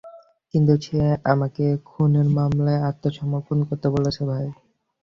কিন্তু সে আমাকে খুনের মামলায় আত্মসমর্পণ করতে বলছে, ভাই।